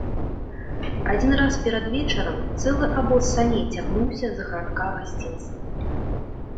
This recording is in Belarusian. Адзін раз перад вечарам цэлы абоз саней цягнуўся з гарадка гасцінцам.